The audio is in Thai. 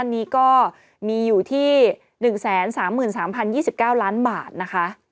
อันนี้ก็มีอยู่ที่๑๓๓๐๒๙ล้านบาทนะคะ